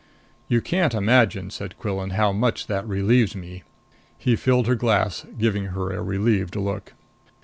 "You can't imagine," said Quillan, "how much that relieves me." He filled her glass, giving her a relieved look.